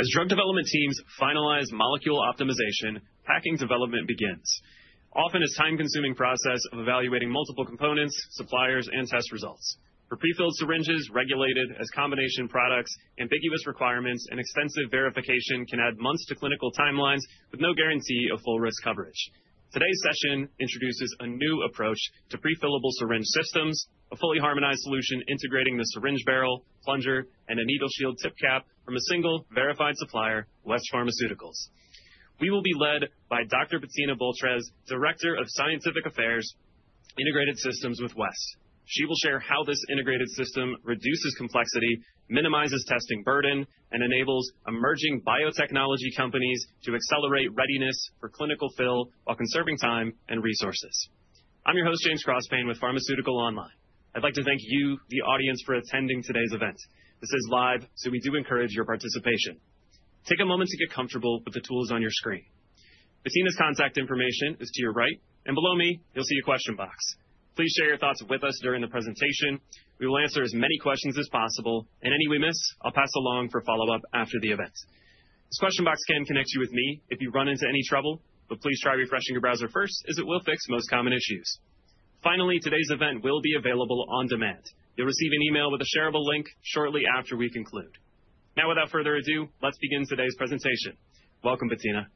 As drug development teams finalize molecule optimization, packaging development begins. Often, it's time-consuming process of evaluating multiple components, suppliers, and test results. For prefilled syringes regulated as combination products, ambiguous requirements, and extensive verification can add months to clinical timelines with no guarantee of full risk coverage. Today's session introduces a new approach to prefillable syringe systems, a fully harmonized solution integrating the syringe barrel, plunger, and a needle shield tip or cap from a single verified supplier, West Pharmaceutical Services. We will be led by Dr. Bettina Boltres, Director of Scientific Affairs, Integrated Systems with West. She will share how this integrated system reduces complexity, minimizes testing burden, and enables emerging biotechnology companies to accelerate readiness for clinical fill while conserving time and resources. I'm your host, James Crossland, with Pharmaceutical Online. I'd like to thank you, the audience, for attending today's event. This is live, so we do encourage your participation. Take a moment to get comfortable with the tools on your screen. Bettina's contact information is to your right, and below me, you'll see a question box. Please share your thoughts with us during the presentation. We will answer as many questions as possible, and any we miss, I'll pass along for follow-up after the event. This question box can connect you with me if you run into any trouble, but please try refreshing your browser first, as it will fix most common issues. Finally, today's event will be available on demand. You'll receive an email with a shareable link shortly after we conclude. Now, without further ado, let's begin today's presentation. Welcome, Bettina.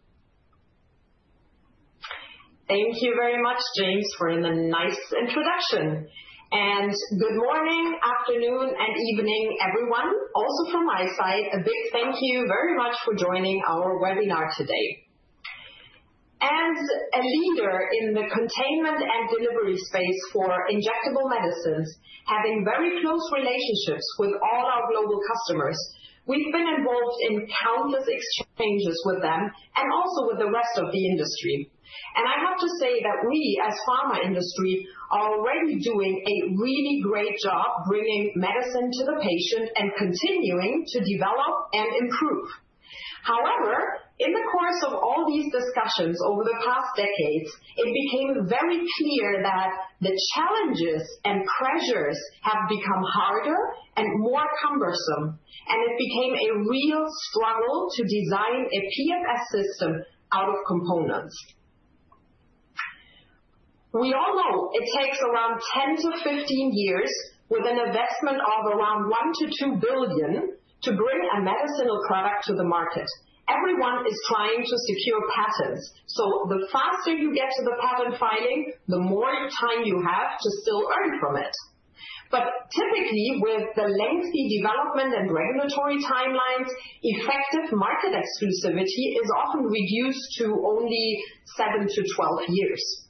Thank you very much, James, for the nice introduction. And good morning, afternoon, and evening, everyone. Also from my side, a big thank you very much for joining our webinar today. As a leader in the containment and delivery space for injectable medicines, having very close relationships with all our global customers, we've been involved in countless exchanges with them and also with the rest of the industry. And I have to say that we, as pharma industry, are already doing a really great job bringing medicine to the patient and continuing to develop and improve. However, in the course of all these discussions over the past decades, it became very clear that the challenges and pressures have become harder and more cumbersome, and it became a real struggle to design a PFS system out of components. We all know it takes around 10years-15 years with an investment of around $1 billion-$2 billion to bring a medicinal product to the market. Everyone is trying to secure patents, so the faster you get to the patent filing, the more time you have to still earn from it. But typically, with the lengthy development and regulatory timelines, effective market exclusivity is often reduced to only seven to 12 years.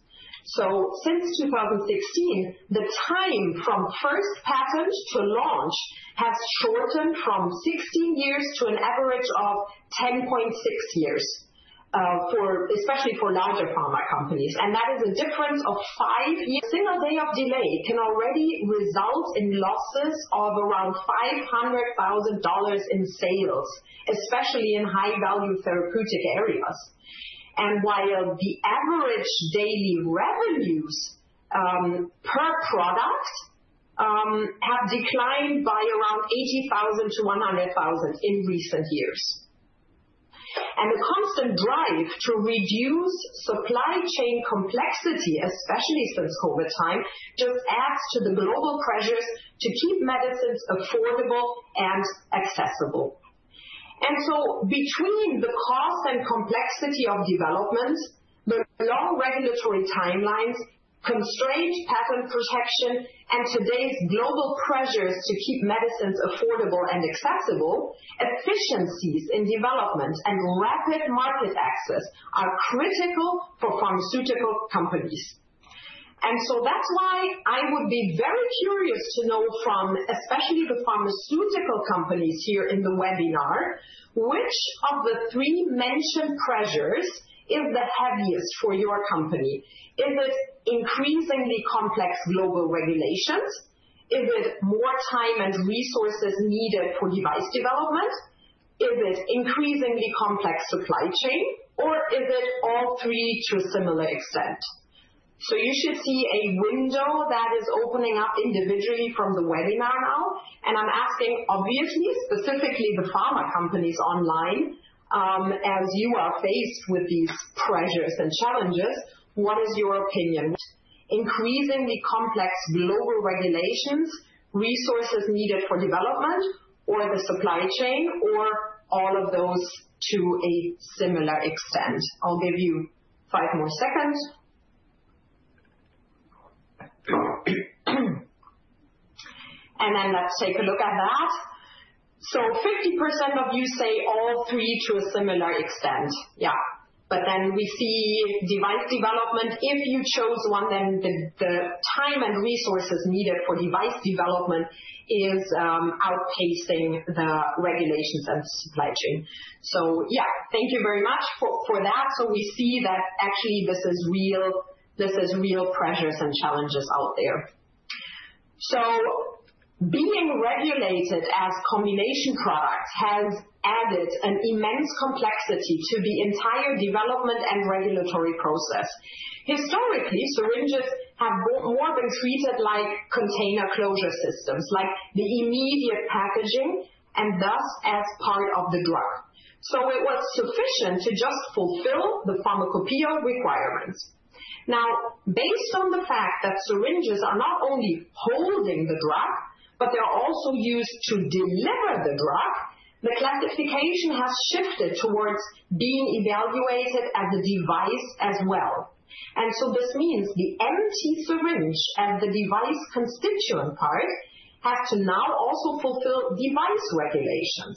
So since 2016, the time from first patent to launch has shortened from 16 years to an average of 10.6 years, for especially for larger pharma companies, and that is a difference of five years. A single day of delay can already result in losses of around $500,000 in sales, especially in high-value therapeutic areas. While the average daily revenues per product have declined by around $80,000-$100,000 in recent years. The constant drive to reduce supply chain complexity, especially since COVID time, just adds to the global pressures to keep medicines affordable and accessible. Between the cost and complexity of development, the long regulatory timelines, constrained patent protection, and today's global pressures to keep medicines affordable and accessible, efficiencies in development and rapid market access are critical for pharmaceutical companies. That's why I would be very curious to know from, especially the pharmaceutical companies here in the webinar, which of the three mentioned pressures is the heaviest for your company? Is it increasingly complex global regulations? Is it more time and resources needed for device development? Is it increasingly complex supply chain, or is it all three to a similar extent? So you should see a window that is opening up individually from the webinar now, and I'm asking obviously, specifically the pharma companies online, as you are faced with these pressures and challenges, what is your opinion? Increasingly complex global regulations, resources needed for development or the supply chain, or all of those to a similar extent? I'll give you five more seconds. And then let's take a look at that. So 50% of you say all three to a similar extent. Yeah. But then we see device development. If you chose one, then the time and resources needed for device development is outpacing the regulations and supply chain. So yeah, thank you very much for that. So we see that actually this is real, this is real pressures and challenges out there. So being regulated as Combination Product has added an immense complexity to the entire development and regulatory process. Historically, syringes have more been treated like container closure systems, like the immediate packaging, and thus as part of the drug. So it was sufficient to just fulfill the pharmacopeia requirements. Now, based on the fact that syringes are not only holding the drug, but they're also used to deliver the drug, the classification has shifted towards being evaluated as a device as well. And so this means the empty syringe and the device constituent part, have to now also fulfill device regulations.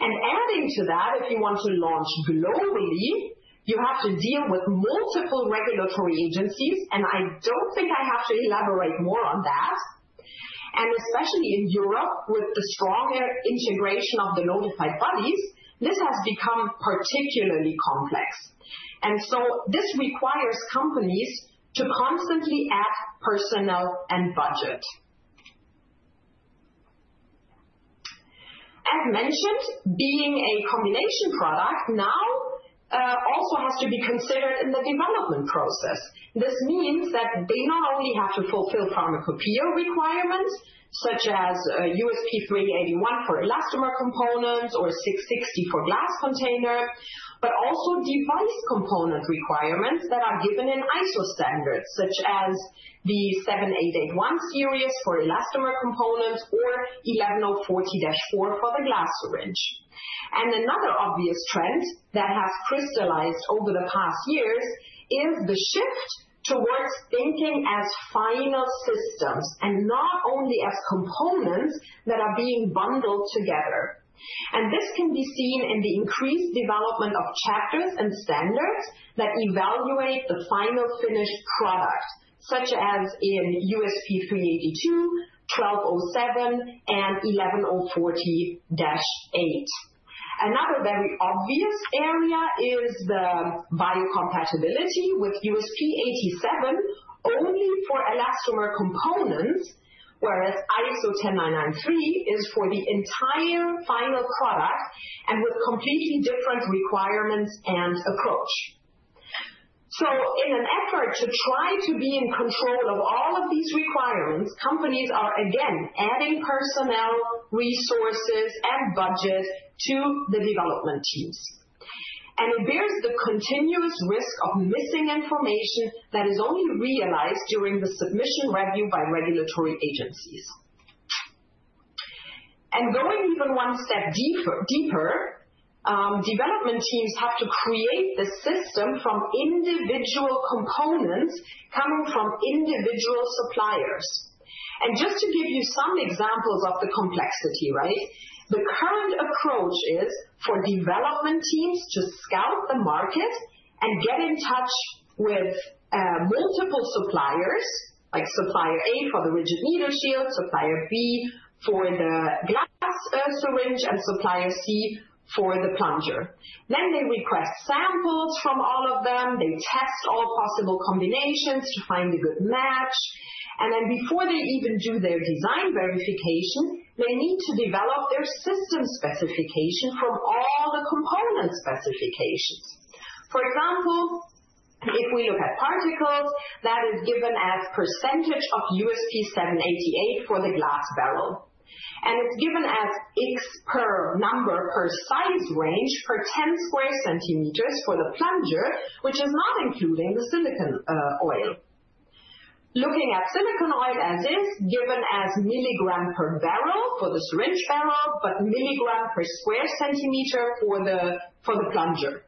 And adding to that, if you want to launch globally, you have to deal with multiple regulatory agencies, and I don't think I have to elaborate more on that. And especially in Europe, with the stronger integration of the Notified Bodies, this has become particularly complex. So this requires companies to constantly add personnel and budget. As mentioned, being a combination product now, also has to be considered in the development process. This means that they not only have to fulfill pharmacopeia requirements, such as USP 381 for elastomer components or 660 for glass container, but also device component requirements that are given in ISO standards, such as the 8871 series for elastomer components or 11040-4 for the glass syringe. Another obvious trend that has crystallized over the past years is the shift towards thinking as final systems and not only as components that are being bundled together. This can be seen in the increased development of chapters and standards that evaluate the final finished product, such as in USP 382, 1207, and 11040-8. Another very obvious area is the biocompatibility with USP 87, only for elastomer components, whereas ISO 10993 is for the entire final product and with completely different requirements and approach. So in an effort to try to be in control of all of these requirements, companies are again adding personnel, resources, and budget to the development teams. And there's the continuous risk of missing information that is only realized during the submission review by regulatory agencies. And going even one step deeper, development teams have to create the system from individual components coming from individual suppliers. And just to give you some examples of the complexity, right? The current approach is for development teams to scout the market and get in touch with multiple suppliers, like Supplier A for the rigid needle shield, Supplier B for the glass syringe, and Supplier C for the plunger. Then they request samples from all of them. They test all possible combinations to find a good match, and then before they even do their design verification, they need to develop their system specification from all the component specifications. For example, if we look at particles, that is given as percentage of USP 788 for the glass barrel. And it's given as X per number per size range per 10 cm2 for the plunger, which is not including the silicone oil. Looking at silicone oil as is, given as milligram per barrel for the syringe barrel, but milligram per square centimeter for the plunger.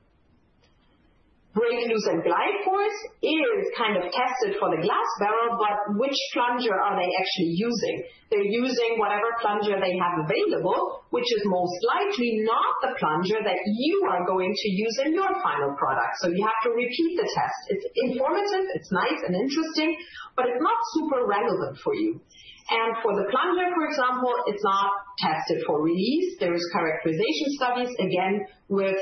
Break loose and glide force is kind of tested for the glass barrel, but which plunger are they actually using? They're using whatever plunger they have available, which is most likely not the plunger that you are going to use in your final product. So you have to repeat the test. It's informative. It's nice and interesting, but it's not super relevant for you. And for the plunger, for example, it's not tested for release. There is characterization studies, again, with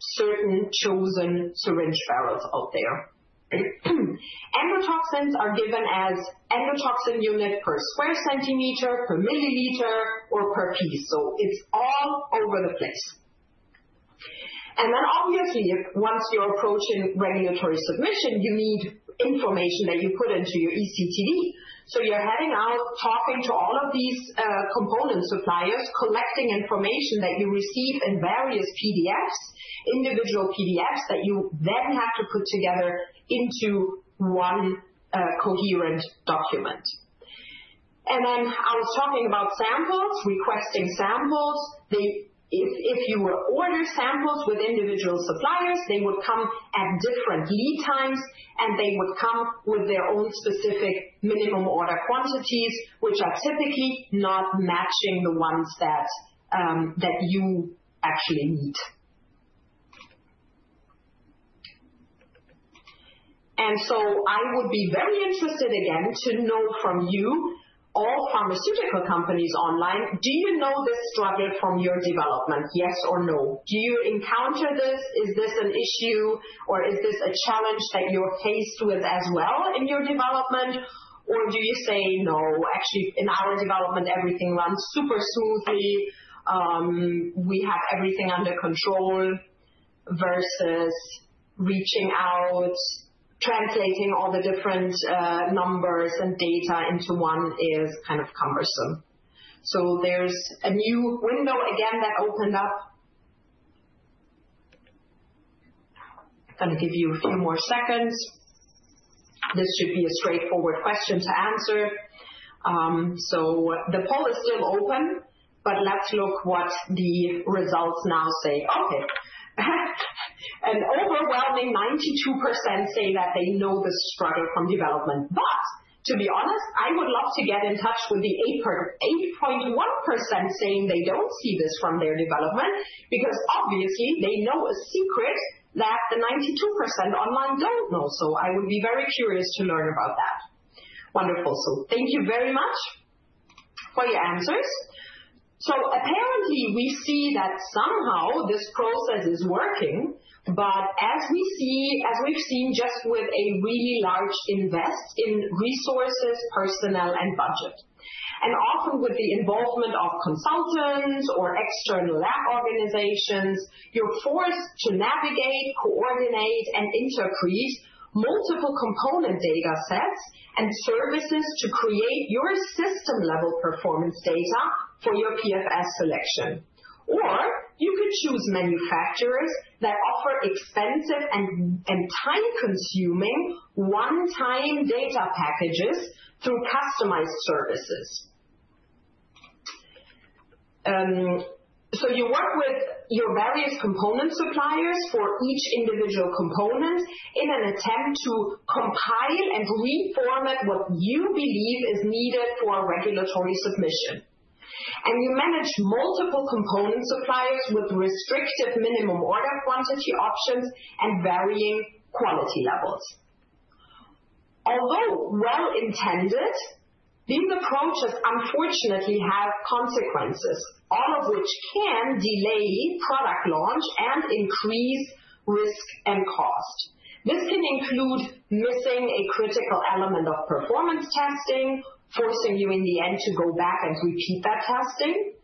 certain chosen syringe barrels out there. Endotoxins are given as endotoxin unit per square centimeter, per milliliter or per piece. So it's all over the place. And then obviously, once you're approaching regulatory submission, you need information that you put into your eCTD. So you're heading out, talking to all of these component suppliers, collecting information that you receive in various PDFs, individual PDFs, that you then have to put together into one coherent document. And then I was talking about samples, requesting samples. If you were to order samples with individual suppliers, they would come at different lead times, and they would come with their own specific minimum order quantities, which are typically not matching the ones that you actually need. And so I would be very interested again to know from you all pharmaceutical companies online, do you know this struggle from your development? Yes or no? Do you encounter this? Is this an issue, or is this a challenge that you're faced with as well in your development? Or do you say, "No, actually, in our development, everything runs super smoothly, we have everything under control," versus reaching out, translating all the different numbers and data into one is kind of cumbersome. So there's a new window again, that opened up. Gonna give you a few more seconds. This should be a straightforward question to answer. So the poll is still open, but let's look what the results now say. Okay. An overwhelming 92% say that they know the struggle from development. But to be honest, I would love to get in touch with the 8.1% saying they don't see this from their development, because obviously they know a secret that the 92% online don't know. So I would be very curious to learn about that. Wonderful. So thank you very much for your answers. So apparently, we see that somehow this process is working, but as we see, as we've seen, just with a really large investment in resources, personnel, and budget. Often with the involvement of consultants or external lab organizations, you're forced to navigate, coordinate, and interlace multiple component data sets and services to create your system-level performance data for your PFS selection. Or you could choose manufacturers that offer expensive and, and time-consuming one-time data packages through customized services. So you work with your various component suppliers for each individual component in an attempt to compile and reformat what you believe is needed for a regulatory submission. And you manage multiple component suppliers with restrictive minimum order quantity options and varying quality levels. Although well-intended, these approaches unfortunately have consequences, all of which can delay product launch and increase risk and cost. This can include missing a critical element of performance testing, forcing you in the end to go back and repeat that testing,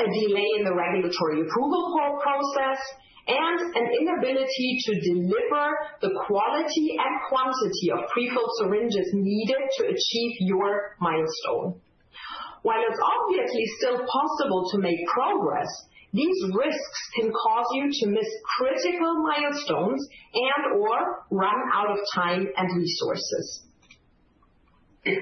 a delay in the regulatory approval process, and an inability to deliver the quality and quantity of pre-filled syringes needed to achieve your milestone. While it's obviously still possible to make progress, these risks can cause you to miss critical milestones and/or run out of time and resources. The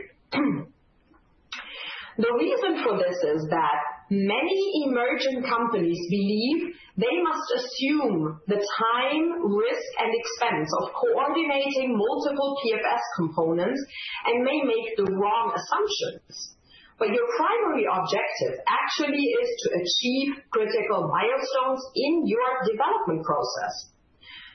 reason for this is that many emerging companies believe they must assume the time, risk, and expense of coordinating multiple PFS components, and may make the wrong assumptions. But your primary objective actually is to achieve critical milestones in your development process.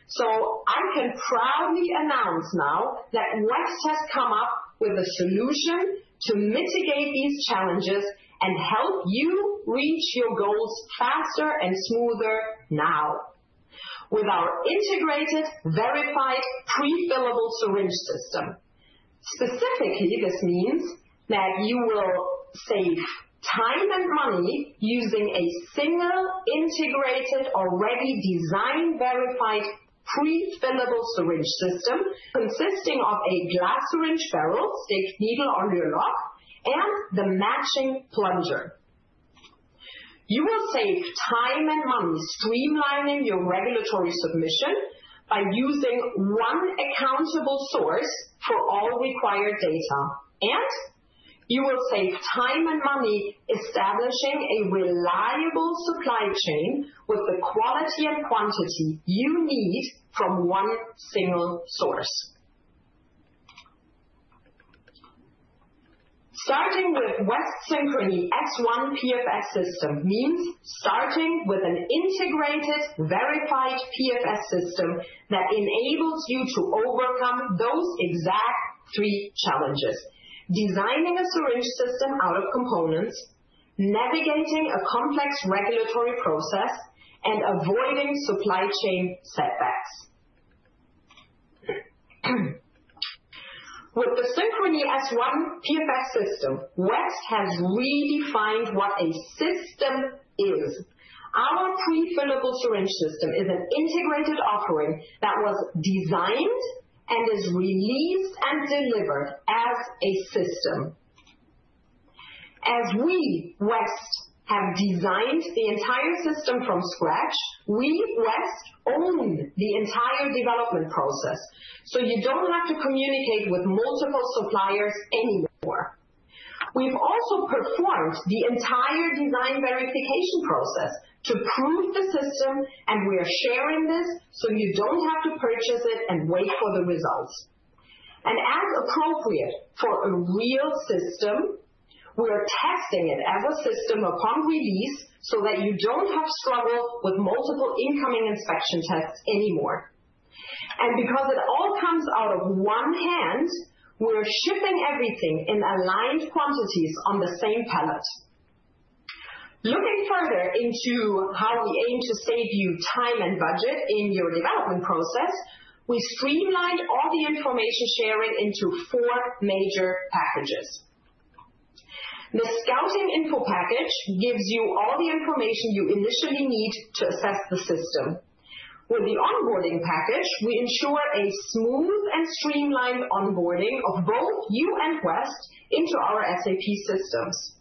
So I can proudly announce now that West has come up with a solution to mitigate these challenges, and help you reach your goals faster and smoother now. With our integrated, verified, prefillable syringe system. Specifically, this means that you will save time and money using a single, integrated, already design-verified, prefillable syringe system, consisting of a glass syringe barrel, fixed needle or Luer lock, and the matching plunger. You will save time and money streamlining your regulatory submission by using one accountable source for all required data, and you will save time and money establishing a reliable supply chain with the quality and quantity you need from one single source. Starting with West Synchrony S1 PFS system means starting with an integrated, verified PFS system that enables you to overcome those exact three challenges: designing a syringe system out of components, navigating a complex regulatory process, and avoiding supply chain setbacks. With the Synchrony S1 PFS system, West has redefined what a system is. Our prefillable syringe system is an integrated offering that was designed and is released and delivered as a system. As we, West, have designed the entire system from scratch, we, West, own the entire development process, so you don't have to communicate with multiple suppliers anymore. We've also performed the entire design verification process to prove the system, and we are sharing this, so you don't have to purchase it and wait for the results. And as appropriate for a real system, we are testing it as a system upon release, so that you don't have to struggle with multiple incoming inspection tests anymore. And because it all comes out of one hand, we're shipping everything in aligned quantities on the same pallet. Looking further into how we aim to save you time and budget in your development process, we streamlined all the information sharing into four major packages. The Scouting Info Package gives you all the information you initially need to assess the system. With the Onboarding Package, we ensure a smooth and streamlined onboarding of both you and West into our SAP systems.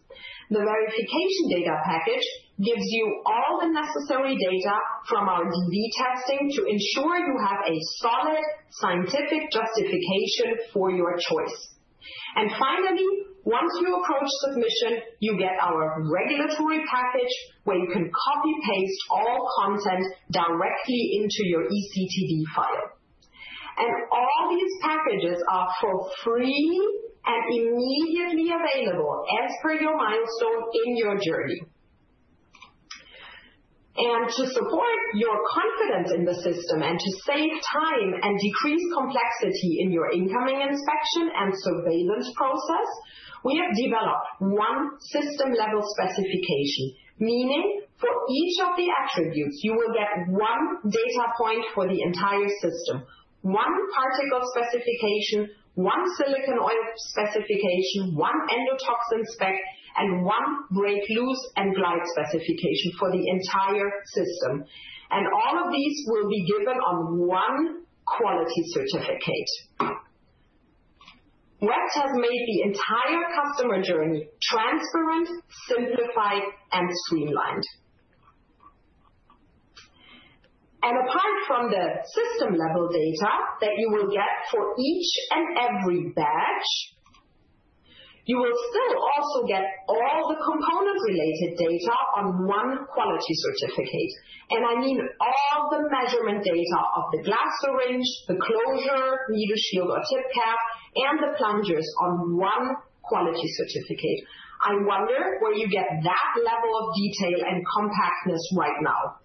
The Verification Data Package gives you all the necessary data from our DV testing to ensure you have a solid scientific justification for your choice. Finally, once you approach submission, you get our Regulatory Package, where you can copy-paste all content directly into your eCTD file. All these packages are for free and immediately available as per your milestone in your journey. To support your confidence in the system and to save time and decrease complexity in your incoming inspection and surveillance process, we have developed one system-level specification, meaning for each of the attributes, you will get one data point for the entire system. One particle specification, one silicone oil specification, one endotoxin spec, and one break loose and glide specification for the entire system. All of these will be given on one quality certificate. West has made the entire customer journey transparent, simplified, and streamlined. Apart from the system-level data that you will get for each and every batch, you will still also get all the component-related data on one quality certificate, and I mean all the measurement data of the glass syringe, the closure, needle shield or tip cap, and the plungers on one quality certificate. I wonder where you get that level of detail and compactness right now.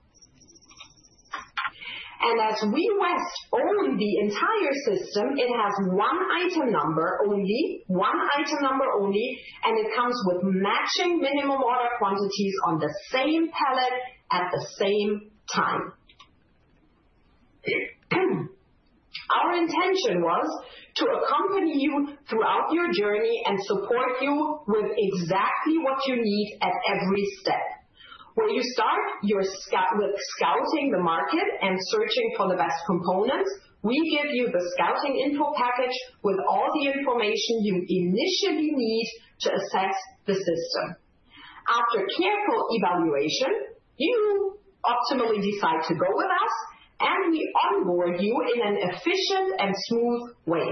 As we, West, own the entire system, it has one item number only, one item number only, and it comes with matching minimum order quantities on the same pallet at the same time. Our intention was to accompany you throughout your journey and support you with exactly what you need at every step. When you start your search with scouting the market and searching for the best components, we give you the Scouting Info Package with all the information you initially need to assess the system. After careful evaluation, you optimally decide to go with us, and we onboard you in an efficient and smooth way.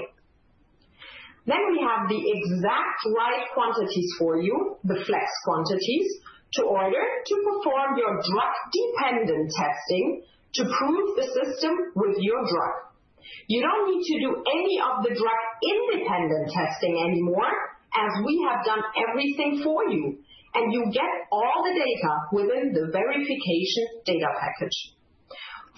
Then we have the exact right quantities for you, the Flex quantities, to order to perform your drug-dependent testing to prove the system with your drug. You don't need to do any of the drug-independent testing anymore, as we have done everything for you, and you get all the data within the Verification Data Package.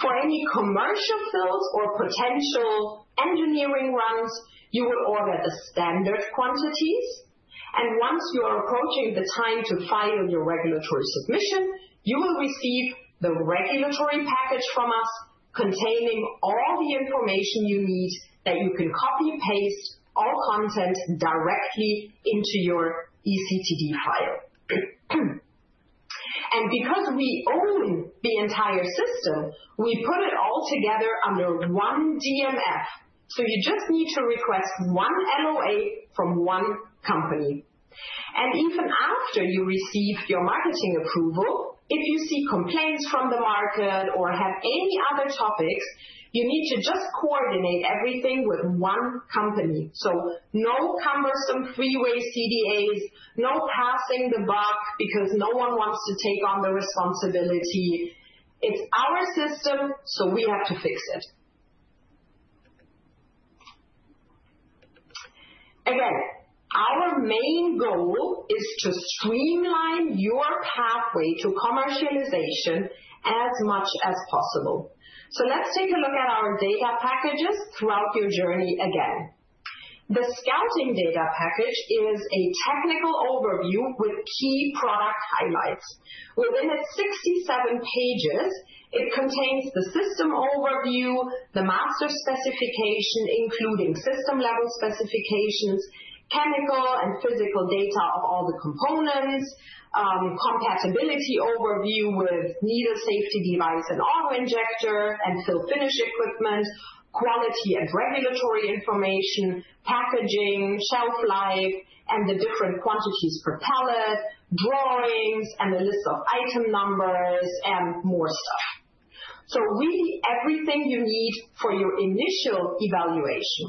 For any commercial fills or potential engineering runs, you will order the standard quantities, and once you are approaching the time to file your regulatory submission, you will receive the Regulatory Package from us, containing all the information you need, that you can copy and paste all content directly into your eCTD file. Because we own the entire system, we put it all together under one DMF. So you just need to request one LOA from one company. And even after you receive your marketing approval, if you see complaints from the market or have any other topics, you need to just coordinate everything with one company. So no cumbersome three-way CDAs, no passing the buck because no one wants to take on the responsibility. It's our system, so we have to fix it. Again, our main goal is to streamline your pathway to commercialization as much as possible. So let's take a look at our data packages throughout your journey again. The Scouting Data Package is a technical overview with key product highlights. Within its 67 pages, it contains the system overview, the master specification, including system-level specifications, chemical and physical data of all the components, compatibility overview with needle safety device and auto-injector, and fill finish equipment, quality and regulatory information, packaging, shelf life, and the different quantities per pallet, drawings, and a list of item numbers, and more stuff. So really everything you need for your initial evaluation.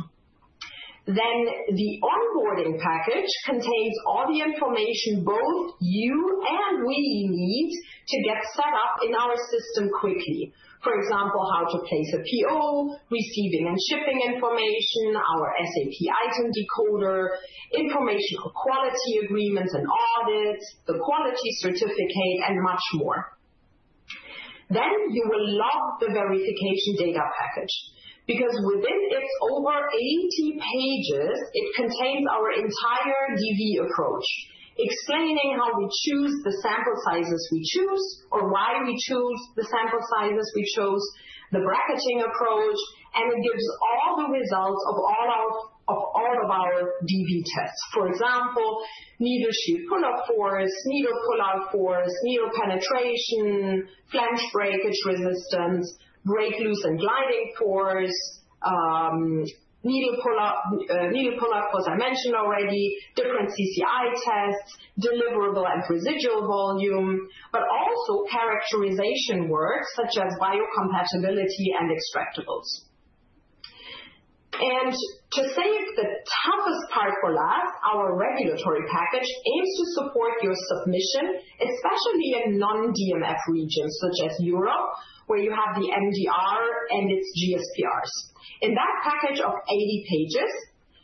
Then the Onboarding Package contains all the information both you and we need to get set up in our system quickly. For example, how to place a PO, receiving and shipping information, our SAP item decoder, information for quality agreements and audits, the quality certificate, and much more. Then you will love the Verification Data Package, because within its over 80 pages, it contains our entire DV approach, explaining how we choose the sample sizes we choose, or why we choose the sample sizes we chose, the bracketing approach, and it gives all the results of all of our DV tests. For example, needle shield pull-off force, needle pull-out force, needle penetration, flange breakage resistance, break loose and gliding force, needle pull-out, as I mentioned already, different CCI tests, deliverable and residual volume, but also characterization work, such as biocompatibility and extractables. And to save the toughest part for last, our Regulatory Package aims to support your submission, especially in non-DMF regions such as Europe, where you have the MDR and its GSPRs. In that package of 80 pages,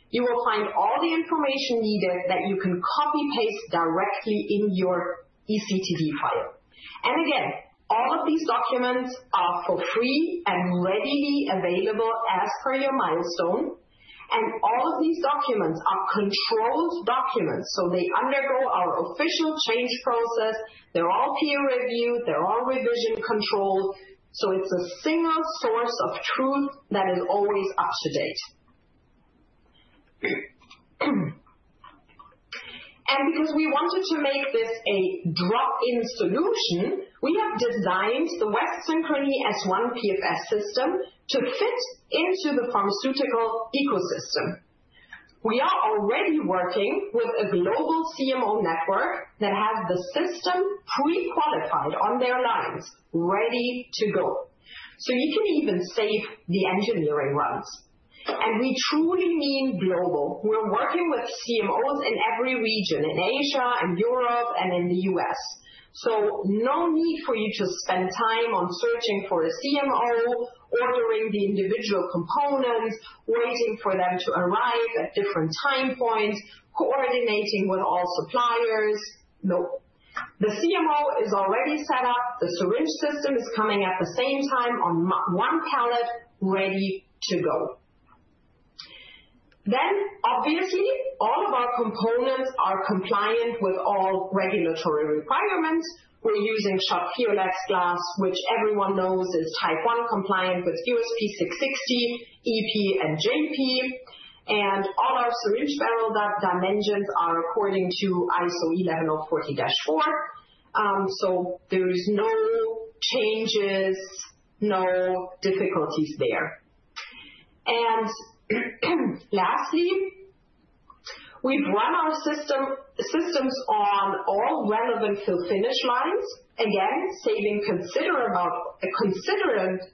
you will find all the information needed that you can copy-paste directly in your eCTD file. Again, all of these documents are for free and readily available as per your milestone, and all of these documents are controlled documents, so they undergo our official change process. They're all peer-reviewed, they're all revision-controlled, so it's a single source of truth that is always up to date. Because we wanted to make this a drop-in solution, we have designed the West Synchrony S1 PFS system to fit into the pharmaceutical ecosystem. We are already working with a global CMO network that have the system pre-qualified on their lines, ready to go. You can even save the engineering runs. We truly mean global. We're working with CMOs in every region, in Asia and Europe and in the U.S. So no need for you to spend time on searching for a CMO, ordering the individual components, waiting for them to arrive at different time points, coordinating with all suppliers. Nope. The CMO is already set up. The syringe system is coming at the same time on one pallet, ready to go. Then, obviously, all of our components are compliant with all regulatory requirements. We're using SCHOTT Fiolax glass, which everyone knows is Type I compliant with USP 660, EP, and JP. And all our syringe barrel dimensions are according to ISO 11040-4. So there is no changes, no difficulties there. And, lastly, we've run our systems on all relevant fill-finish lines, again, saving a considerable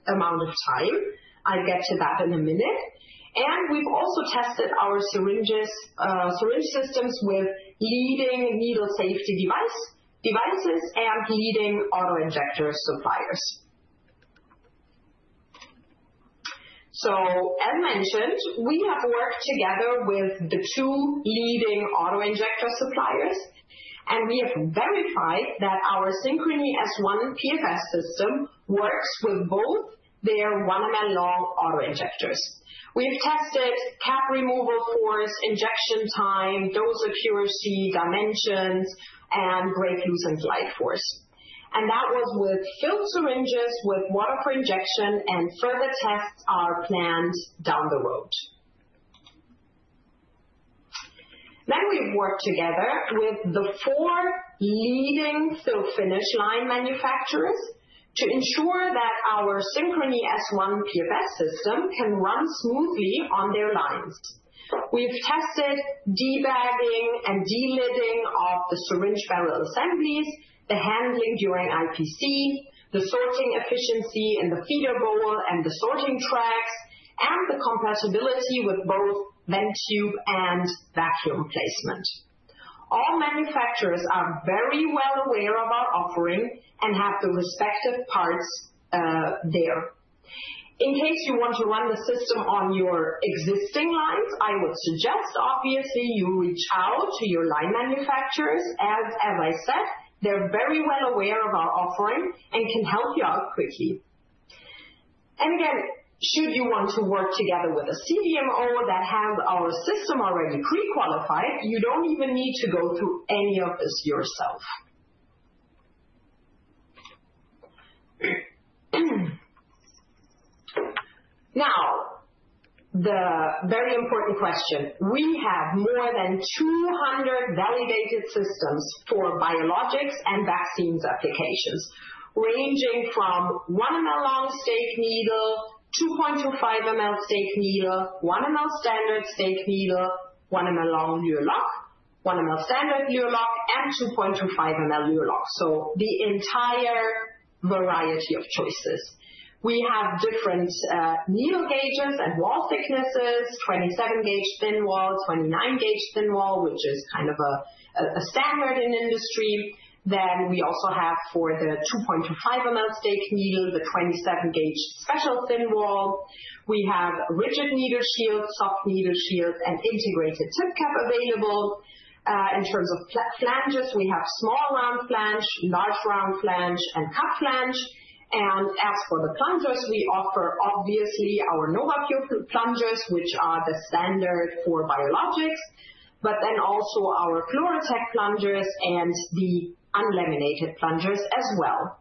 amount of time. I'll get to that in a minute. We've also tested our syringes, syringe systems with leading needle safety devices and leading auto injector suppliers. So as mentioned, we have worked together with the two leading auto injector suppliers, and we have verified that our Synchrony S1 PFS system works with both their 1 mL auto injectors. We have tested cap removal force, injection time, dose accuracy, dimensions, and break loose and glide force. That was with filled syringes, with water for injection, and further tests are planned down the road. Then we've worked together with the four leading fill-finish line manufacturers to ensure that our Synchrony S1 PFS system can run smoothly on their lines. We've tested de-bagging and de-lidding of the syringe barrel assemblies, the handling during IPC, the sorting efficiency in the feeder bowl and the sorting tracks, and the compatibility with both vent tube and vacuum placement. All manufacturers are very well aware of our offering and have the respective parts there. In case you want to run the system on your existing lines, I would suggest, obviously, you reach out to your line manufacturers, as, as I said, they're very well aware of our offering and can help you out quickly. And again, should you want to work together with a CDMO that have our system already pre-qualified, you don't even need to go through any of this yourself. Now, the very important question. We have more than 200 validated systems for biologics and vaccines applications, ranging from 1 mL long staked needle, 2.25 mL staked needle, 1 mL standard staked needle, 1 mL long Luer lock, 1 mL standard Luer lock, and 2.25 mL Luer lock. So the entire variety of choices. We have different needle gauges and wall thicknesses, 27-gauge thin wall, 29-gauge thin wall, which is kind of a standard in the industry. Then we also have for the 2.25 mL staked needle, the 27-gauge special thin wall. We have rigid needle shields, soft needle shields, and integrated tip cap available. In terms of flanges, we have small round flange, large round flange, and cut flange. And as for the plungers, we offer, obviously, our NovaPure plungers, which are the standard for biologics, but then also our FluroTec plungers and the unlaminated plungers as well.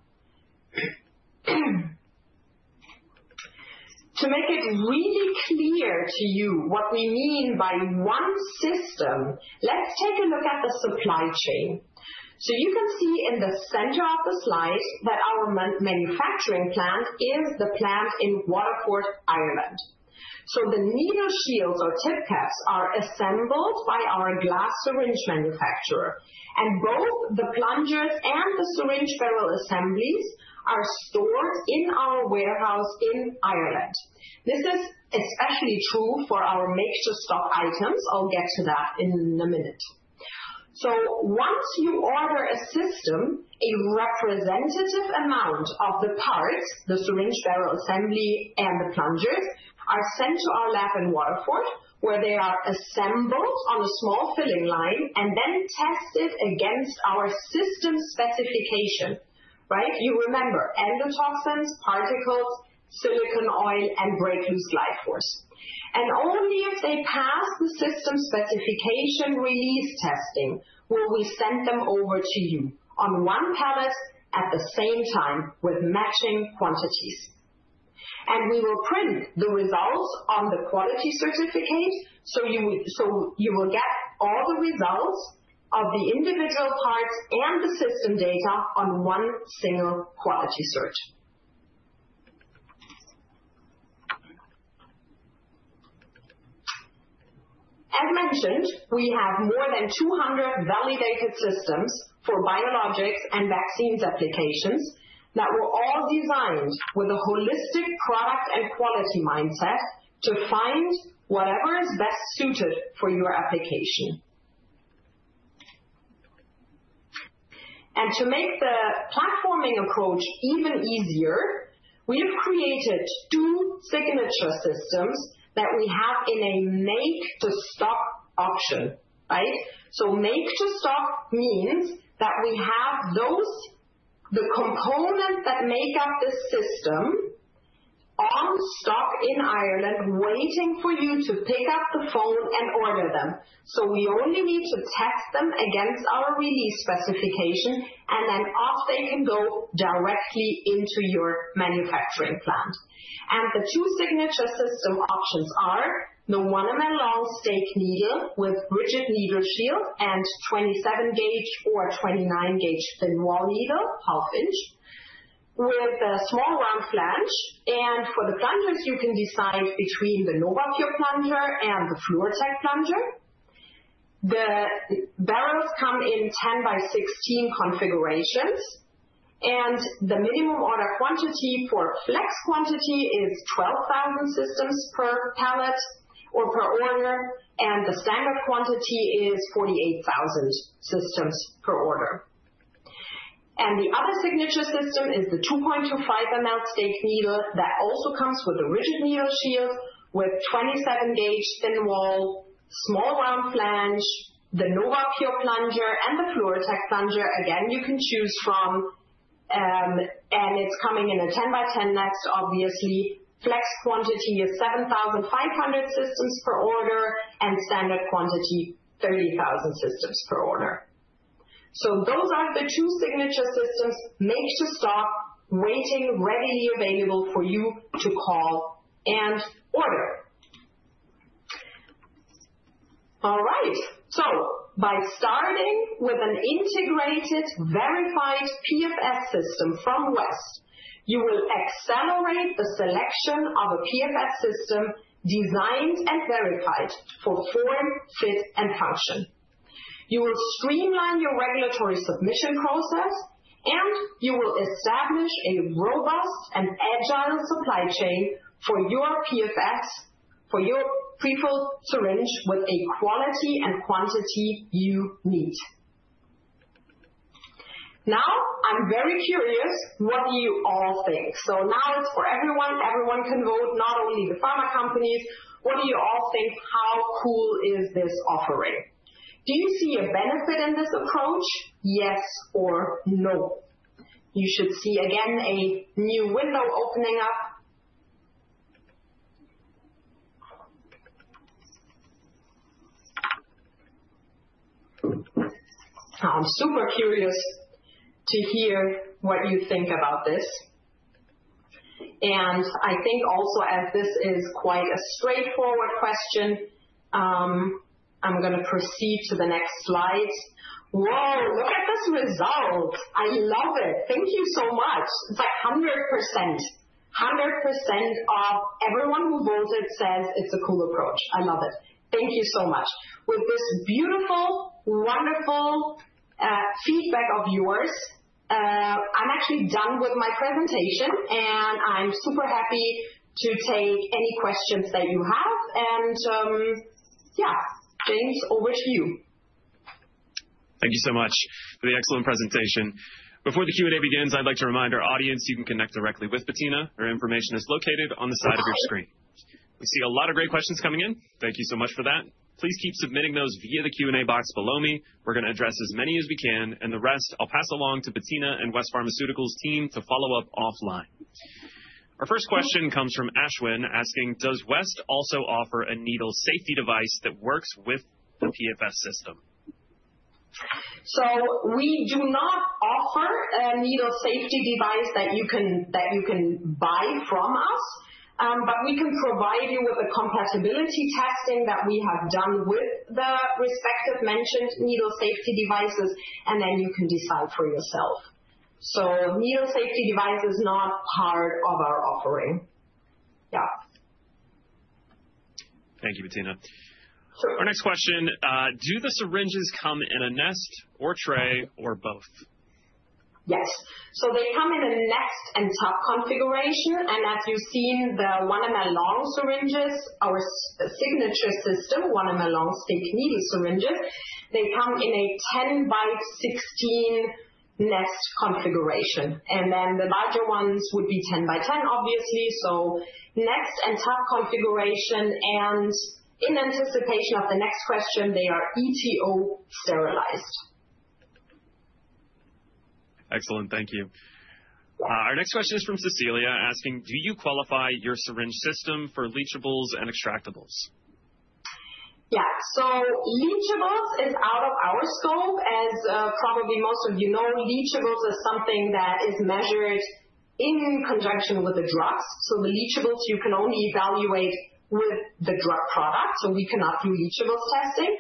To make it really clear to you what we mean by one system, let's take a look at the supply chain. So you can see in the center of the slide that our manufacturing plant is the plant in Waterford, Ireland. The needle shields or tip caps are assembled by our glass syringe manufacturer, and both the plungers and the syringe barrel assemblies are stored in our warehouse in Ireland. This is especially true for our make-to-stock items. I'll get to that in a minute. Once you order a system, a representative amount of the parts, the syringe barrel assembly, and the plungers, are sent to our lab in Waterford, where they are assembled on a small filling line and then tested against our system specification, right? You remember, endotoxins, particles, silicone oil, and break loose and glide force. Only if they pass the system specification release testing, will we send them over to you on one pallet at the same time with matching quantities. We will print the results on the quality certificate, so you will get all the results of the individual parts and the system data on one single quality cert. As mentioned, we have more than 200 validated systems for biologics and vaccines applications that were all designed with a holistic product and quality mindset to find whatever is best suited for your application. To make the platforming approach even easier, we have created two Signature systems that we have in a make to stock option, right? So make to stock means that we have those, the components that make up the system on stock in Ireland, waiting for you to pick up the phone and order them. So we only need to test them against our release specification, and then off they can go directly into your manufacturing plant. The two Signature system options are: the 1 mL staked needle with rigid needle shield and 27-gauge or 29-gauge thin wall needle, 0.5-inch, with a small round flange. For the plungers, you can decide between the NovaPure plunger and the FluroTec plunger. The barrels come in 10 by 16 configurations, and the minimum order quantity for Flex quantity is 12,000 systems per pallet or per order, and the standard quantity is 48,000 systems per order. The other Signature system is the 2.25 mL staked needle, that also comes with a rigid needle shield with 27-gauge thin wall, small round flange, the NovaPure plunger, and the FluroTec plunger. Again, you can choose from, and it's coming in a 10 by 10 nest. Obviously, flex quantity is 7,500 systems per order, and standard quantity, 30,000 systems per order. So those are the two Signature systems, make to stock, waiting, readily available for you to call and order. All right. So by starting with an integrated, verified PFS system from West, you will accelerate the selection of a PFS system designed and verified for form, fit, and function. You will streamline your regulatory submission process, and you will establish a robust and agile supply chain for your PFS, for your pre-filled syringe with a quality and quantity you need. Now, I'm very curious, what do you all think? So now it's for everyone. Everyone can vote, not only the pharma companies. What do you all think? How cool is this offering? Do you see a benefit in this approach, yes or no? You should see again, a new window opening up. I'm super curious to hear what you think about this, and I think also, as this is quite a straightforward question, I'm gonna proceed to the next slide. Whoa! Look at this result. I love it. Thank you so much. It's like 100%. 100% of everyone who votes it, says it's a cool approach. I love it. Thank you so much. With this beautiful, wonderful, feedback of yours, I'm actually done with my presentation, and I'm super happy to take any questions that you have. And, yeah, James, over to you. Thank you so much for the excellent presentation. Before the Q&A begins, I'd like to remind our audience, you can connect directly with Bettina. Her information is located on the side of your screen. We see a lot of great questions coming in. Thank you so much for that. Please keep submitting those via the Q&A box below me. We're gonna address as many as we can, and the rest I'll pass along to Bettina and West Pharmaceuticals team to follow up offline. Our first question comes from Ashwin, asking, "Does West also offer a needle safety device that works with the PFS system? So we do not offer a needle safety device that you can buy from us. But we can provide you with a compatibility testing that we have done with the respective mentioned needle safety devices, and then you can decide for yourself. So needle safety device is not part of our offering. Yeah. Thank you, Bettina. Sure. Our next question: "Do the syringes come in a nest or tray or both? Yes. So they come in a nest and tub configuration, and as you've seen, the 1 mL long syringes, our Signature system, 1 mL long staked needle syringes, they come in a 10 by 16 nest configuration. And then the larger ones would be 10 by 10, obviously. So nest and tub configuration, and in anticipation of the next question, they are ETO sterilized. Excellent. Thank you. Yeah. Our next question is from Cecilia, asking: "Do you qualify your syringe system for leachables and extractables? Yeah. So leachables is out of our scope. As probably most of you know, leachables is something that is measured in conjunction with the drugs. So the leachables, you can only evaluate with the drug product, so we cannot do leachable testing.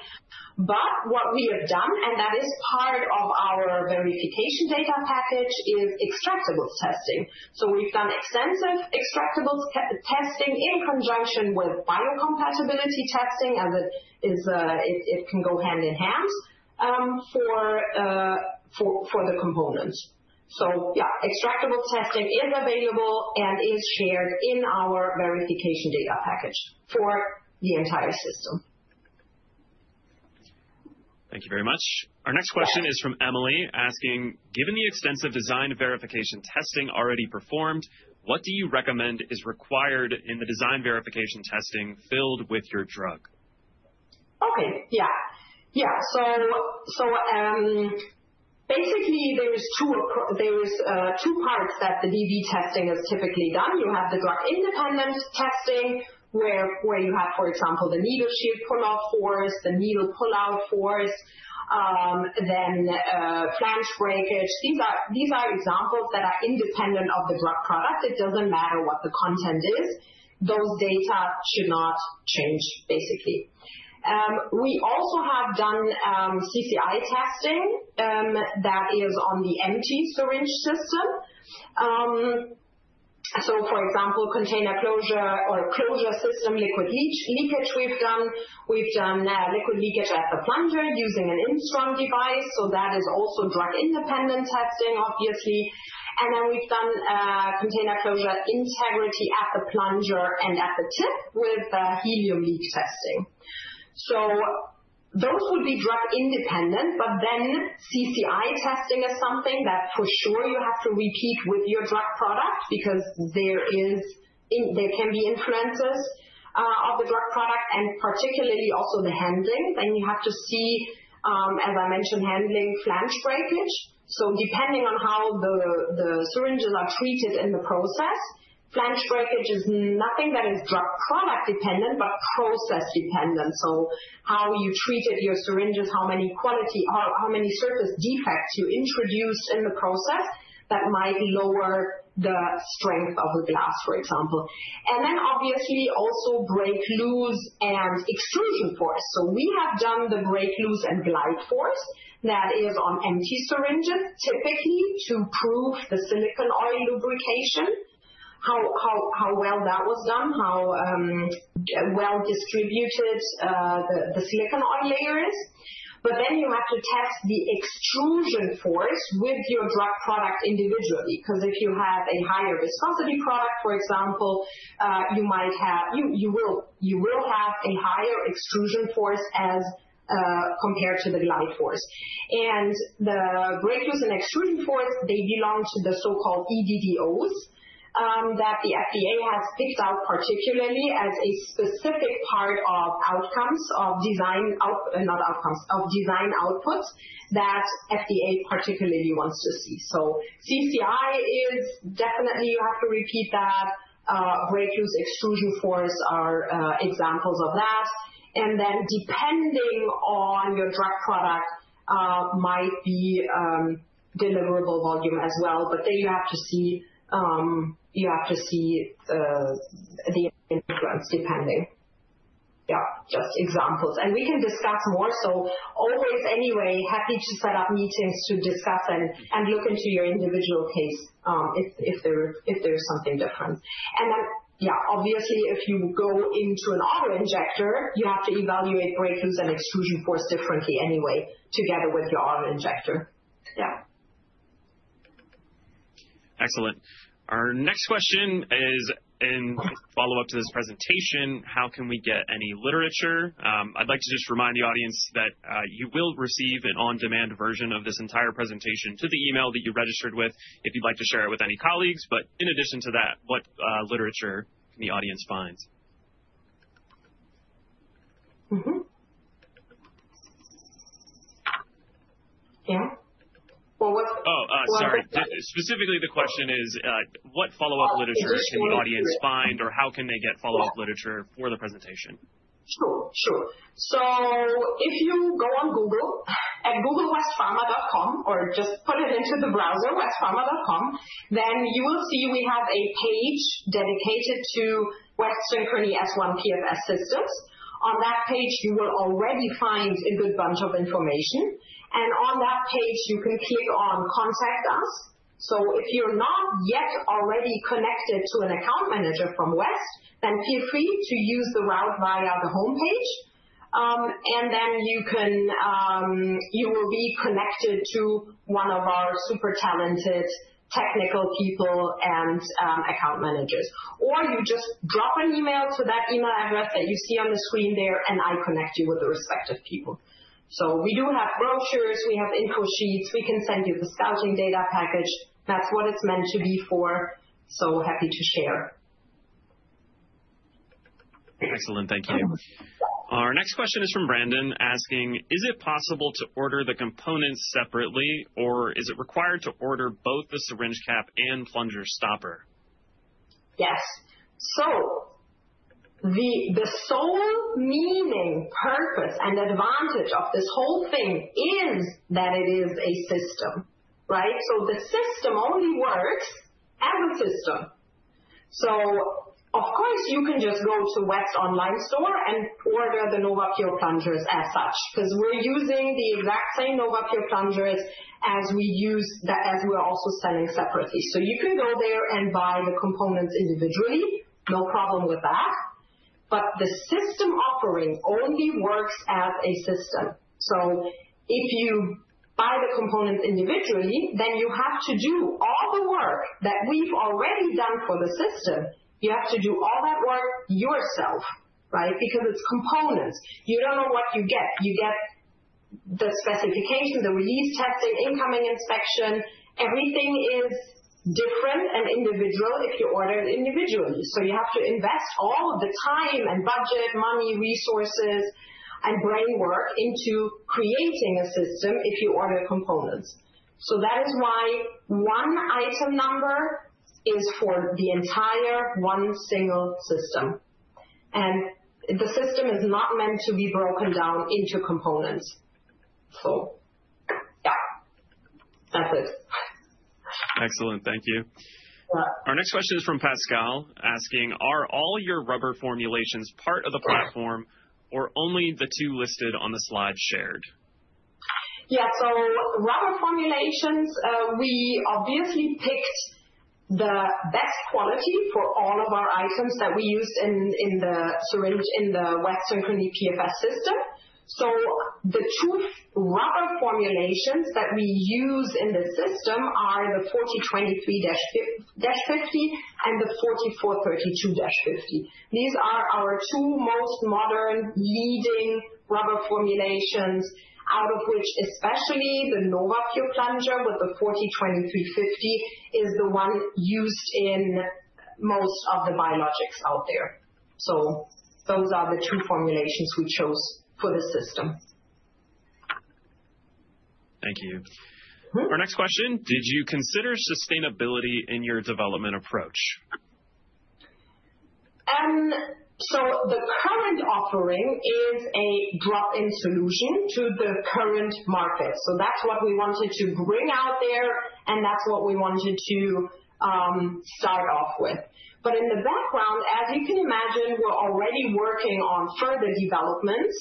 But what we have done, and that is part of our Verification Data Package, is extractables testing. So we've done extensive extractables testing in conjunction with biocompatibility testing, as it is, can go hand in hand, for the components. So yeah, extractable testing is available and is shared in our Verification Data Package for the entire system. Thank you very much. Our next question is from Emily, asking: "Given the extensive design verification testing already performed, what do you recommend is required in the design verification testing filled with your drug? Okay, yeah. Yeah, so, so, basically, there is two parts that the DV testing is typically done. You have the drug-independent testing, where you have, for example, the needle shield pull-off force, the needle pull-out force, then flange breakage. These are examples that are independent of the drug product. It doesn't matter what the content is, those data should not change, basically. We also have done CCI testing that is on the empty syringe system. So for example, container closure or closure system, liquid leakage we've done. We've done liquid leakage at the plunger using an Instron device, so that is also drug-independent testing, obviously. And then we've done container closure integrity at the plunger and at the tip with helium leak testing. So those would be drug independent, but then CCI testing is something that for sure you have to repeat with your drug product because there can be influences of the drug product and particularly also the handling. Then you have to see, as I mentioned, handling flange breakage. So depending on how the syringes are treated in the process, flange breakage is nothing that is drug product dependent, but process dependent. So how you treated your syringes, how many quality, how many surface defects you introduced in the process that might lower the strength of the glass, for example. And then obviously also break loose and extrusion force. So we have done the break loose and glide force. That is on empty syringes, typically to prove the silicone oil lubrication, how well that was done, how well distributed the silicone oil layer is. But then you have to test the extrusion force with your drug product individually, because if you have a higher viscosity product, for example, you might have. You will have a higher extrusion force as compared to the glide force. And the break loose and extrusion force, they belong to the so-called EDDOs that the FDA has picked out, particularly as a specific part of outcomes of design out, not outcomes, of design outputs that FDA particularly wants to see. So CCI is definitely you have to repeat that. Break loose, extrusion force are examples of that. And then, depending on your drug product, might be deliverable volume as well, but then you have to see the influence, depending. Yeah, just examples. We can discuss more, so always anyway happy to set up meetings to discuss and look into your individual case, if there's something different. Then, yeah, obviously if you go into an auto injector, you have to evaluate break loose and extrusion force differently anyway, together with your auto injector. Yeah. Excellent. Our next question is in follow-up to this presentation: "How can we get any literature?" I'd like to just remind the audience that, you will receive an on-demand version of this entire presentation to the email that you registered with, if you'd like to share it with any colleagues. But in addition to that, what, literature can the audience find? Mm-hmm. Yeah. Well, what- Specifically, the question is, what follow-up literature can the audience find, or how can they get follow-up literature for the presentation? Sure, sure. So if you go on Google and Google westpharma.com, or just put it into the browser, westpharma.com, then you will see we have a page dedicated to West Synchrony S1 PFS systems. On that page, you will already find a good bunch of information, and on that page you can click on Contact Us. So if you're not yet already connected to an account manager from West, then feel free to use the route via the homepage. And then you can, you will be connected to one of our super talented technical people and, account managers. Or you just drop an email to that email address that you see on the screen there, and I connect you with the respective people. So we do have brochures, we have info sheets. We can send you the Scouting Data Package. That's what it's meant to be for, so happy to share. Excellent. Thank you. Our next question is from Brandon, asking: Is it possible to order the components separately, or is it required to order both the syringe cap and plunger stopper? Yes. So the sole meaning, purpose, and advantage of this whole thing is that it is a system, right? So the system only works as a system. So of course, you can just go to West online store and order the NovaPure plungers as such, 'cause we're using the exact same NovaPure plungers as we're also selling separately. So you can go there and buy the components individually. No problem with that. But the system offering only works as a system. So if you buy the components individually, then you have to do all the work that we've already done for the system. You have to do all that work yourself, right? Because it's components. You don't know what you get. You get the specification, the release testing, incoming inspection. Everything is different and individual if you order it individually. So you have to invest all of the time and budget, money, resources, and brainwork into creating a system if you order components. So that is why one item number is for the entire one single system, and the system is not meant to be broken down into components. So yeah, that's it. Excellent. Thank you. Yeah. Our next question is from Pascal, asking: Are all your rubber formulations part of the platform, or only the two listed on the slide shared? Yeah. So rubber formulations, we obviously picked the best quality for all of our items that we use in, in the syringe, in the West Synchrony PFS system. So the two rubber formulations that we use in the system are the 4023/50, and the 4432/50. These are our two most modern leading rubber formulations, out of which, especially the NovaPure plunger with the 4023/50, is the one used in most of the biologics out there. So those are the two formulations we chose for the system. Thank you. Mm-hmm. Our next question: Did you consider sustainability in your development approach? So the current offering is a drop-in solution to the current market. So that's what we wanted to bring out there, and that's what we wanted to start off with. But in the background, as you can imagine, we're already working on further developments,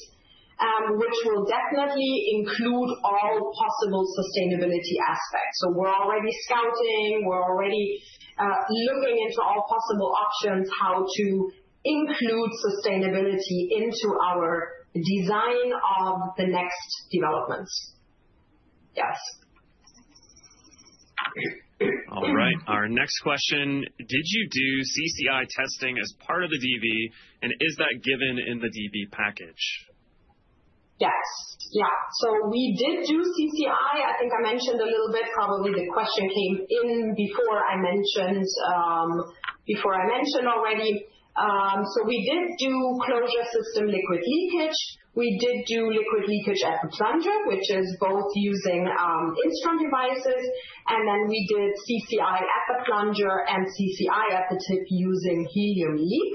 which will definitely include all possible sustainability aspects. So we're already scouting, we're already looking into all possible options, how to include sustainability into our design of the next developments. Yes. All right, our next question: Did you do CCI testing as part of the DB, and is that given in the DB package? Yes. Yeah. So we did do CCI. I think I mentioned a little bit. Probably the question came in before I mentioned before I mentioned already. So we did do closure system, liquid leakage. We did do liquid leakage at the plunger, which is both using Instron devices, and then we did CCI at the plunger and CCI at the tip using helium leak.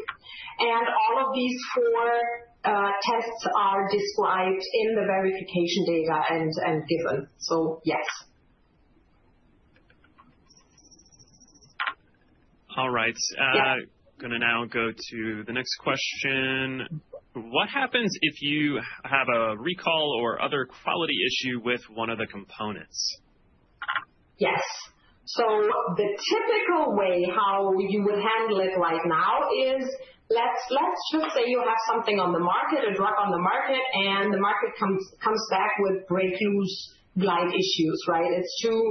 And all of these four tests are described in the verification data and given. So, yes. All right. Yeah. Gonna now go to the next question: What happens if you have a recall or other quality issue with one of the components? Yes. So the typical way how you would handle it right now is... Let's, let's just say you have something on the market, a drug on the market, and the market comes, comes back with break loose glide issues, right? It's too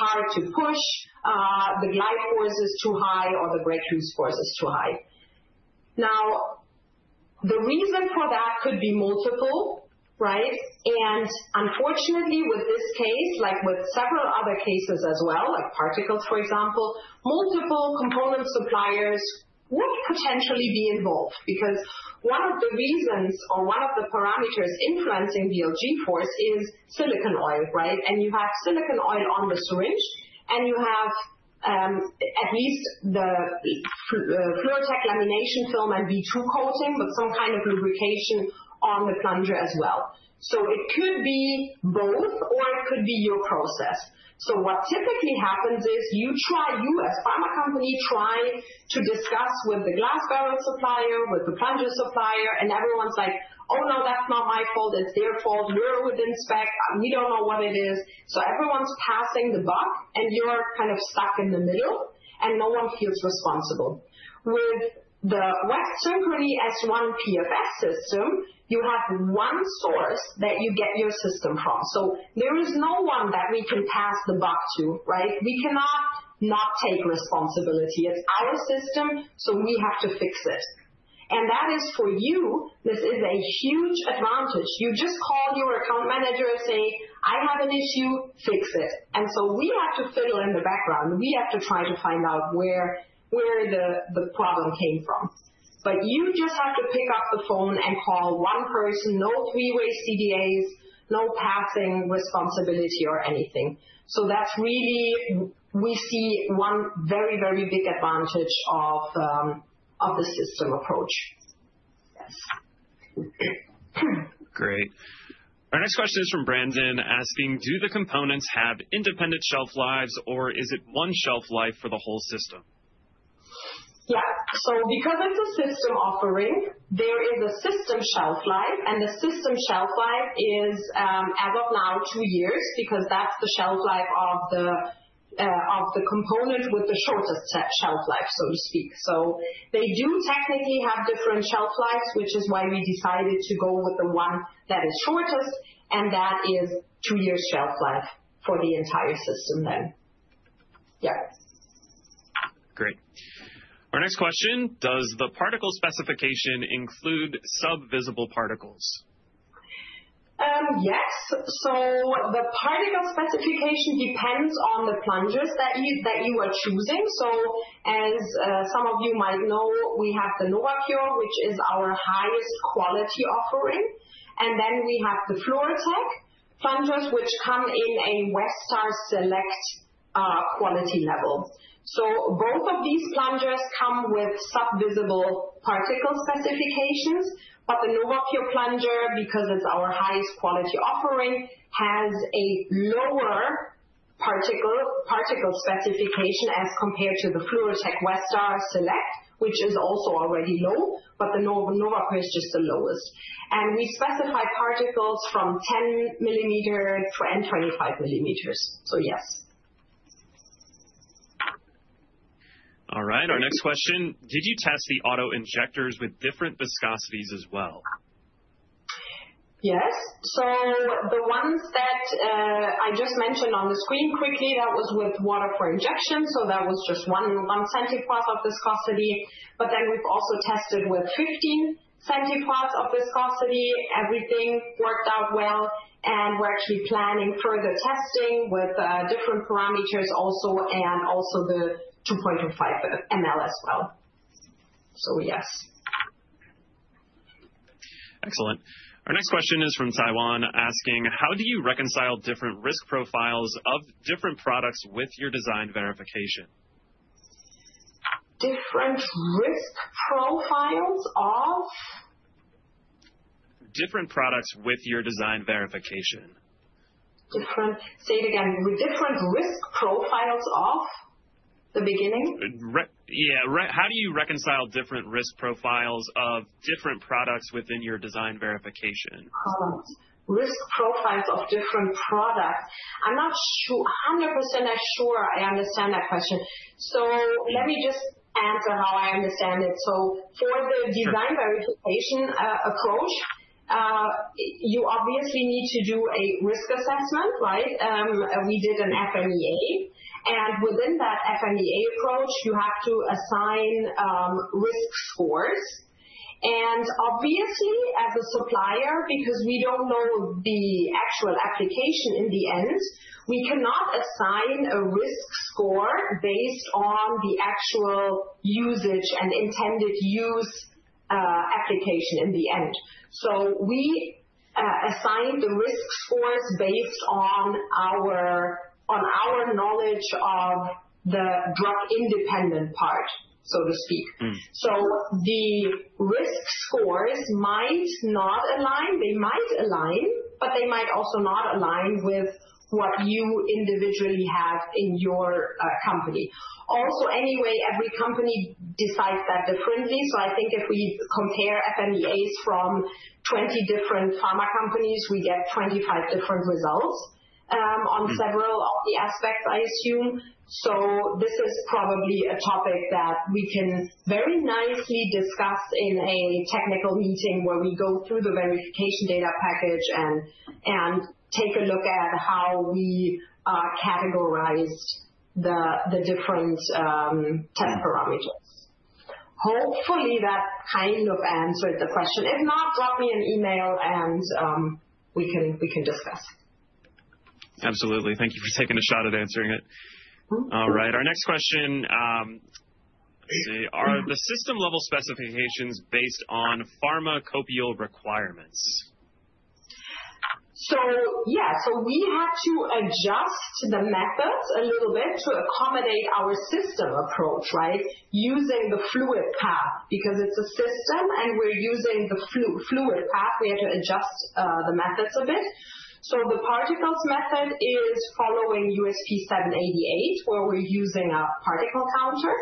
hard to push, the glide force is too high or the break loose force is too high. Now, the reason for that could be multiple, right? And unfortunately, with this case, like with several other cases as well, like particles, for example, multiple component suppliers would potentially be involved, because one of the reasons or one of the parameters influencing the LG force is silicone oil, right? And you have silicone oil on the syringe, and you have at least the FluroTec lamination film and B2 coating, but some kind of lubrication on the plunger as well. So it could be both, or it could be your process. So what typically happens is, you try, you as pharma company, try to discuss with the glass barrel supplier, with the plunger supplier, and everyone's like: "Oh, no, that's not my fault, it's their fault. You're within spec. We don't know what it is." So everyone's passing the buck, and you're kind of stuck in the middle, and no one feels responsible. With the West Synchrony S1 PFS system, you have one source that you get your system from, so there is no one that we can pass the buck to, right? We cannot not take responsibility. It's our system, so we have to fix this. And that is for you, this is a huge advantage. You just call your account manager and say, "I have an issue, fix it." And so we have to fiddle in the background. We have to try to find out where the problem came from. But you just have to pick up the phone and call one person. No three-way CDAs, no passing responsibility or anything. So that's really, we see one very, very big advantage of the system approach. Yes. Great. Our next question is from Brandon, asking: Do the components have independent shelf lives, or is it one shelf life for the whole system? Yeah. So because it's a system offering, there is a system shelf life, and the system shelf life is, as of now, two years, because that's the shelf life of the component with the shortest shelf life, so to speak. So they do technically have different shelf lives, which is why we decided to go with the one that is shortest, and that is two-year shelf life for the entire system then. Yeah. Great. Our next question: Does the particle specification include subvisible particles? Yes. So the particle specification depends on the plungers that you are choosing. So as some of you might know, we have the NovaPure, which is our highest quality offering, and then we have the FluroTec plungers, which come in a Westar Select quality level. So both of these plungers come with subvisible particle specifications, but the NovaPure plunger, because it's our highest quality offering, has a lower particle specification as compared to the FluroTec Westar Select, which is also already low, but the NovaPure is just the lowest. And we specify particles from 10 µm and 25 µm. So, yes. All right, our next question: Did you test the auto injectors with different viscosities as well? Yes. So the ones that, I just mentioned on the screen quickly, that was with water for injection, so that was just 1.0 centipoise of viscosity. But then we've also tested with 15 centipoise of viscosity. Everything worked out well, and we're actually planning further testing with, different parameters also, and also the 2.25 mL as well. So, yes. Excellent. Our next question is from Taiwan, asking: How do you reconcile different risk profiles of different products with your design verification? Different risk profiles of? Different products with your design verification. Different... Say it again. With different risk profiles of? The beginning. How do you reconcile different risk profiles of different products within your design verification? Products. Risk profiles of different products. I'm not a hundred percent sure I understand that question. So let me just answer how I understand it. So for the design verification approach, you obviously need to do a risk assessment, right? We did an FMEA, and within that FMEA approach, you have to assign risk scores. And obviously, as a supplier, because we don't know the actual application in the end, we cannot assign a risk score based on the actual usage and intended use application in the end. So we assign the risk scores based on our knowledge of the drug-independent part, so to speak. Mm. So the risk scores might not align. They might align, but they might also not align with what you individually have in your company. Also, anyway, every company decides that differently. So I think if we compare FMEAs from 20 different pharma companies, we get 25 different results on several of the aspects, I assume. So this is probably a topic that we can very nicely discuss in a technical meeting where we go through the Verification Data Package and take a look at how we categorize the different tech parameters. Hopefully, that kind of answered the question. If not, drop me an email, and we can discuss. Absolutely. Thank you for taking a shot at answering it. Mm-hmm. All right, our next question, let's see: Are the system-level specifications based on pharmacopeial requirements? So yeah, so we had to adjust the methods a little bit to accommodate our system approach, right? Using the fluid path, because it's a system, and we're using the fluid path, we had to adjust the methods a bit. So the particles method is following USP 788, where we're using a particle counter.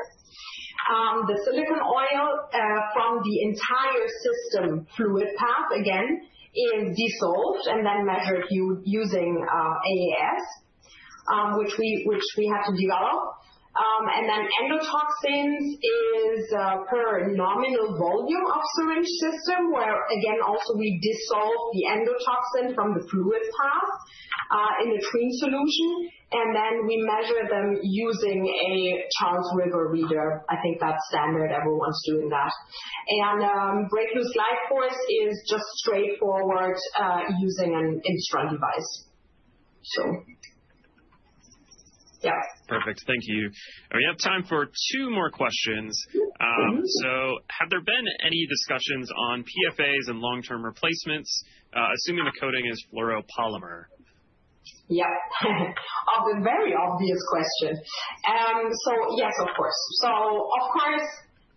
The silicone oil from the entire system fluid path, again, is dissolved and then measured using AAS, which we had to develop. And then endotoxins is per nominal volume of syringe system, where, again, also we dissolve the endotoxin from the fluid path in a clean solution, and then we measure them using a Charles River reader. I think that's standard. Everyone's doing that. And break loose glide force is just straightforward using an Instron device. So, yeah. Perfect. Thank you. We have time for two more questions. Mm-hmm. Have there been any discussions on PFAS and long-term replacements, assuming the coating is fluoropolymer? Yeah. A very obvious question. So yes, of course. So of course,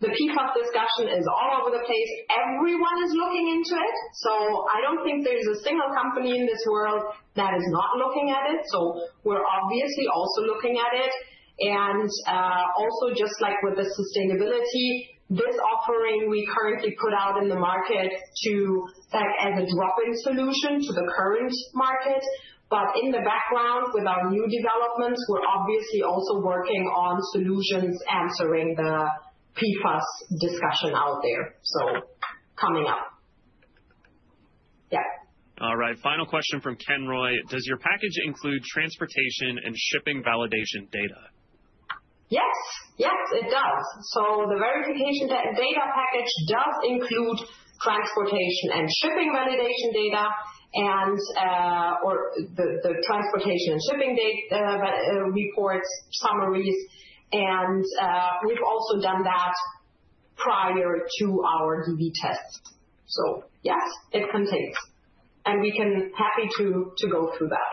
the PFAS discussion is all over the place. Everyone is looking into it, so I don't think there's a single company in this world that is not looking at it. So we're obviously also looking at it. And, also, just like with the sustainability, this offering we currently put out in the market to set as a drop-in solution to the current market. But in the background, with our new developments, we're obviously also working on solutions answering the PFAS discussion out there. So coming up. Yeah. All right. Final question from Ken Roy: Does your package include transportation and shipping validation data? Yes. Yes, it does. So the Verification Data Package does include transportation and shipping validation data, and, or the, the transportation and shipping data, reports, summaries, and, we've also done that prior to our DV test. So yes, it contains, and we can... Happy to, to go through that.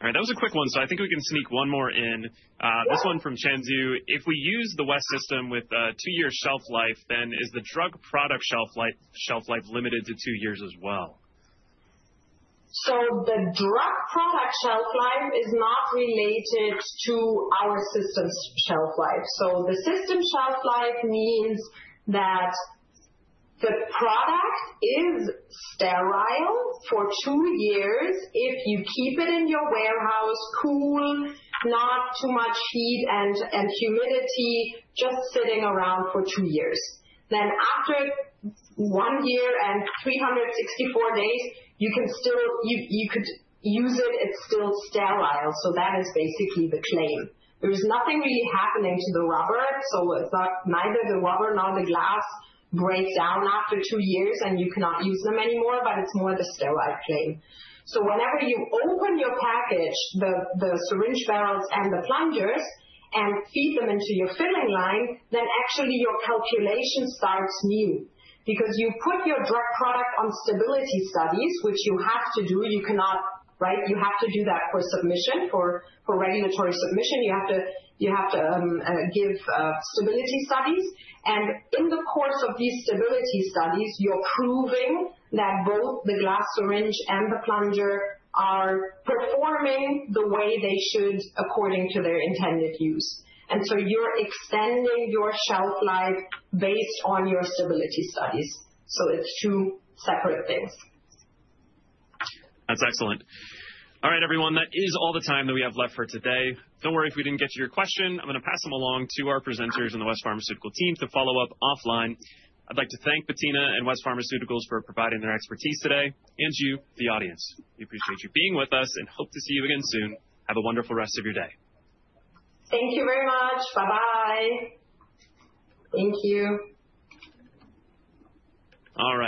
All right. That was a quick one, so I think we can sneak one more in. Yeah. This one from Chen Zhu. If we use the West system with a two-year shelf life, then is the drug product shelf life limited to two years as well? So the drug product shelf life is not related to our system's shelf life. So the system shelf life means that the product is sterile for two years if you keep it in your warehouse, cool, not too much heat and, and humidity, just sitting around for two years. Then after one year and 364 days, you can still, you, you could use it, it's still sterile, so that is basically the claim. There is nothing really happening to the rubber, so it's not, neither the rubber nor the glass breaks down after two years, and you cannot use them anymore, but it's more the sterile claim. So whenever you open your package, the, the syringe barrels and the plungers, and feed them into your filling line, then actually your calculation starts new. Because you put your drug product on stability studies, which you have to do, you cannot... Right? You have to do that for submission. For regulatory submission, you have to give stability studies. And in the course of these stability studies, you're proving that both the glass syringe and the plunger are performing the way they should according to their intended use. And so you're extending your shelf life based on your stability studies. So it's two separate things. That's excellent. All right, everyone, that is all the time that we have left for today. Don't worry if we didn't get to your question. I'm going to pass them along to our presenters and the West Pharmaceutical team to follow up offline. I'd like to thank Bettina and West Pharmaceuticals for providing their expertise today, and you, the audience. We appreciate you being with us and hope to see you again soon. Have a wonderful rest of your day. Thank you very much. Bye-bye. Thank you. All right.